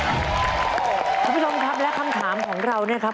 คุณผู้ชมครับและคำถามของเราเนี่ยครับ